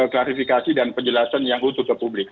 klarifikasi dan penjelasan yang utuh ke publik